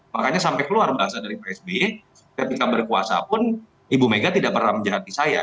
makanya sampai keluar bahasa dari pak sby ketika berkuasa pun ibu mega tidak pernah menjerati saya